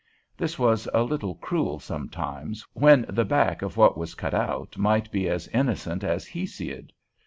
This was a little cruel sometimes, when the back of what was cut out might be as innocent as Hesiod.